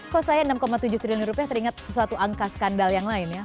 kok saya enam tujuh triliun rupiah teringat sesuatu angka skandal yang lain ya